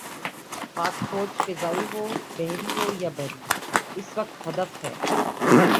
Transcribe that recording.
پاک فوج فضائی ہو، بحری ہو یا بری، اس وقت ہدف ہے۔